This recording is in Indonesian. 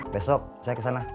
besok saya kesana